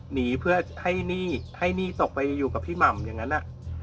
หนีเพื่อให้หนี้ให้หนี้ตกไปอยู่กับพี่หม่ำอย่างนั้น